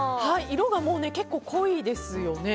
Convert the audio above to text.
色がもう結構濃いですよね。